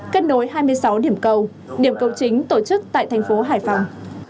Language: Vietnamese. kết nối hai mươi sáu điểm cầu điểm cầu chính tổ chức tại thành phố hải phòng